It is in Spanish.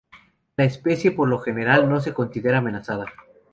La especie, por lo general, no se considera amenazada.